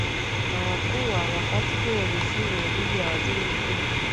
na wakuu wa wakati huo jeshini dhidi ya waziri mkuu